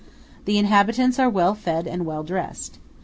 The inhabitants are well fed and well dressed.